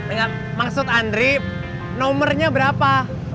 enggak maksud andri nomernya berapa